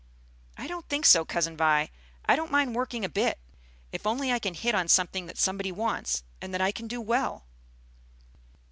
"I don't think so, Cousin Vi. I don't mind working a bit, if only I can hit on something that somebody wants, and that I can do well."